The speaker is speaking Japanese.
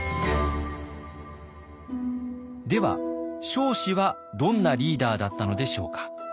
では彰子はどんなリーダーだったのでしょうか？